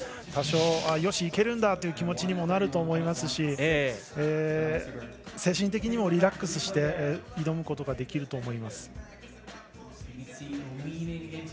よし、いけるんだという気持ちにもなると思いますし精神的にもリラックスして挑むことができると思います。